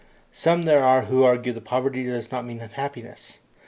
Some there are who argue that poverty does not mean unhappiness.